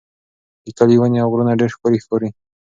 د کلي ونې او غرونه ډېر ښکلي ښکاري.